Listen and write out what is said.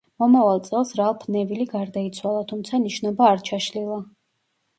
მომავალ წელს რალფ ნევილი გარდაიცვალა, თუმცა ნიშნობა არ ჩაშლილა.